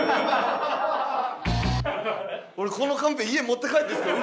俺このカンペ家持って帰っていいですか？